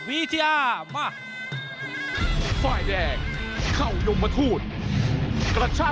วิทยามา